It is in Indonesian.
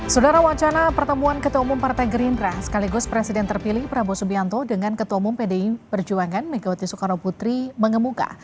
saudara wacana pertemuan ketua umum partai gerindra sekaligus presiden terpilih prabowo subianto dengan ketua umum pdi perjuangan megawati soekarno putri mengemuka